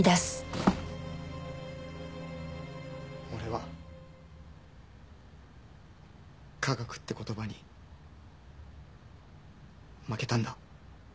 俺は科学って言葉に負けたんだ。